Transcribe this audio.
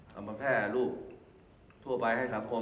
เอามาแพร่รูปทั่วไปให้สังคม